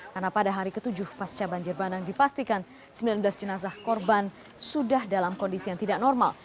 karena pada hari ke tujuh pasca banjir bandang dipastikan sembilan belas jenazah korban sudah dalam kondisi yang tidak normal